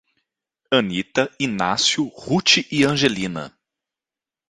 Anita, Inácio, Rute e Angelina